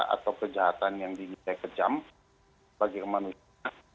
atau kejahatan yang diminta kejam bagi manusia